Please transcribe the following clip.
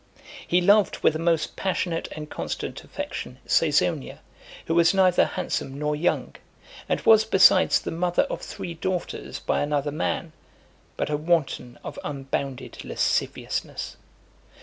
He loved with a most passionate and constant affection Caesonia, who was neither handsome nor young; and was besides the mother of three daughters by another man; but a wanton of unbounded lasciviousness.